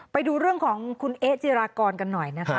ไปดูเรื่องของคุณเอ๊ะจิรากรกันหน่อยนะคะ